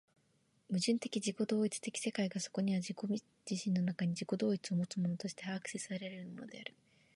矛盾的自己同一的世界がそこには自己自身の中に自己同一をもつものとして把握せられるのである。